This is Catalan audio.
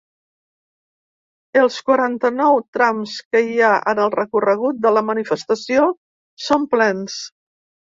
Els quaranta-nou trams que hi ha en el recorregut de la manifestació són plens.